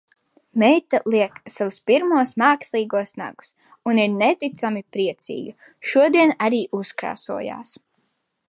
Meita liek savus pirmos mākslīgos nagus. Un ir neticami priecīga. Šodien arī uzkrāsojās.